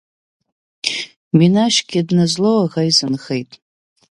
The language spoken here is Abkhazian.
Минашьгьы дназлоу аӷа изынхеит.